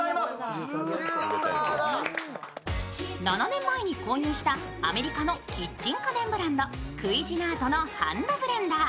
７年前に購入したアメリカのキッチン家電ブランド、クイジナートのハンドブレンダー。